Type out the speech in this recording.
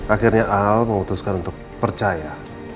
akhirnya al memutuskan untuk percaya